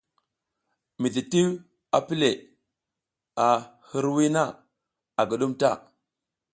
Mititiw a pi le ar hiriwiy na, a guɗum ta.